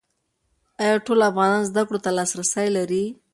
ایا ټول افغانان زده کړو ته لاسرسی لري؟